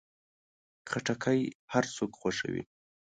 خټکی هر څوک خوښوي.